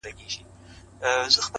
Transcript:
کله شات کله شکري پيدا کيږي،